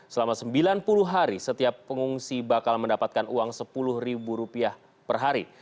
selama sembilan puluh hari setiap pengungsi bakal mendapatkan uang rp sepuluh per hari